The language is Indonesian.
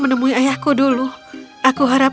menemui ayahku dulu aku harap